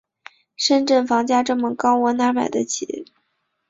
深圳房价这么高，我哪儿买得起？